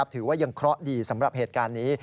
ถือว่ายังเคราะห์ดีสำหรับเหตุการณ์นี้